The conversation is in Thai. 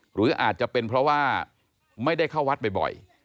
หรืออาจจะเป็นเพราะว่าไม่ได้เข้าวัดบ่อย